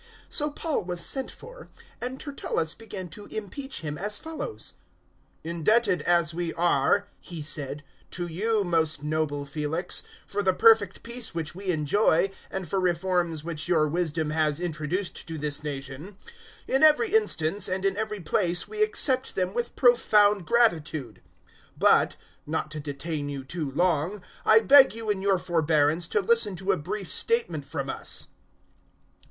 024:002 So Paul was sent for, and Tertullus began to impeach him as follows: "Indebted as we are," he said, "to you, most noble Felix, for the perfect peace which we enjoy, and for reforms which your wisdom has introduced to this nation, 024:003 in every instance and in every place we accept them with profound gratitude. 024:004 But not to detain you too long I beg you in your forbearance to listen to a brief statement from us.